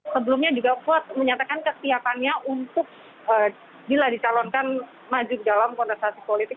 sebelumnya juga kuat menyatakan kesiapannya untuk bila dicalonkan maju dalam kontestasi politik